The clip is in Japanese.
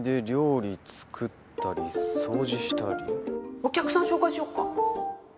お客さん紹介しよっか？